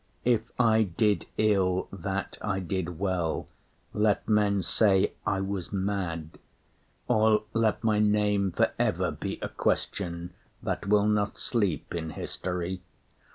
If I did ill What I did well, let men say I was mad; Or let my name for ever be a question That will not sleep in history.